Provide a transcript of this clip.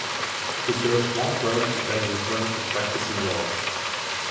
He served one term and then returned to practicing law.